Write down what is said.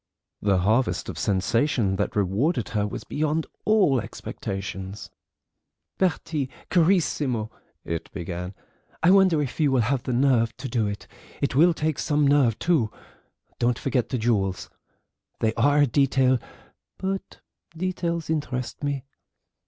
The harvest of sensation that rewarded her was beyond all expectations. "Bertie, carissimo," it began, "I wonder if you will have the nerve to do it: it will take some nerve, too. Don't forget the jewels. They are a detail, but details interest me.